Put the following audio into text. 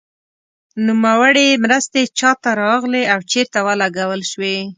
نوموړې مرستې چا ته راغلې او چیرته ولګول شوې.